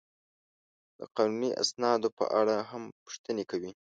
د قانوني اسنادو په اړه هم پوښتنې کوي.